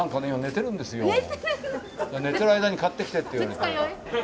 寝てる間に買ってきてって言われて。